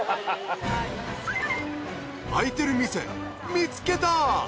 開いてる店見つけた！